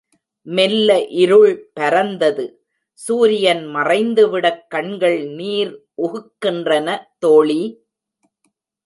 மெல்ல இருள் பரந்தது சூரியன் மறைந்துவிடக் கண்கள் நீர் உகுக்கின்றன தோழி!